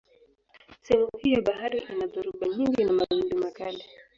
Sehemu hii ya bahari ina dhoruba nyingi na mawimbi makali.